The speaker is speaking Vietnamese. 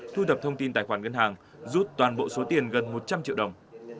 thu thập thông tin tài khoản ngân hàng rút toàn bộ số tiền gần một trăm linh triệu đồng